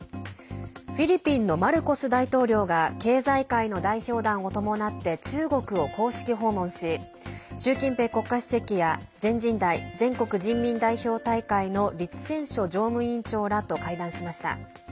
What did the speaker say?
フィリピンのマルコス大統領が経済界の代表団を伴って中国を公式訪問し習近平国家主席や全人代＝全国人民代表大会の栗戦書常務委員長らと会談しました。